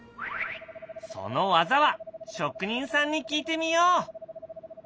その技は職人さんに聞いてみよう！